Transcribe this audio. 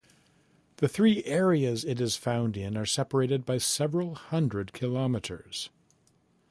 The three areas it is found in are separated by several hundred kilometres.